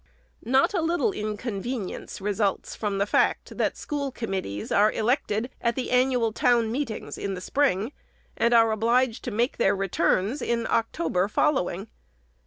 Not a little inconvenience results from the fact, that school committees are elected at the annual town meet ings in the spring, and are obliged to make their returns in October following.